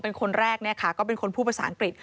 เป็นคนแรกเนี่ยค่ะก็เป็นคนพูดภาษาอังกฤษ